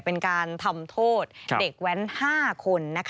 เป็นการทำโทษเด็กแว้น๕คน